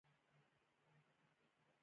لومړی مې فکر وکړ چې دا هرڅه یو خوب و